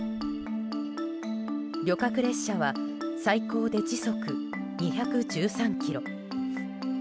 旅客列車は最高で時速２１３キロ。